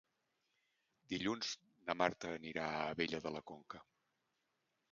Dilluns na Marta anirà a Abella de la Conca.